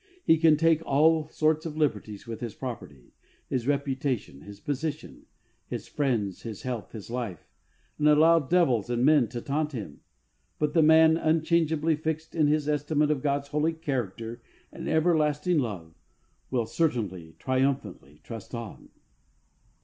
He can take all sorts of liberties with his property, his reputation, his position, his friends, his health, his life, and allow devils and men to taunt him ; but the man unchangeably fixed in his estimate of God^s holy character and everlasting love, will still triumphantly trust on.